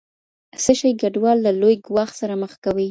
څه شی کډوال له لوی ګواښ سره مخ کوي؟